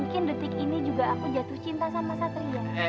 mungkin detik ini juga aku jatuh cinta sama satria